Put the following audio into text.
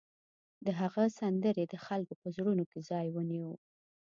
د هغه سندرې د خلکو په زړونو کې ځای ونیو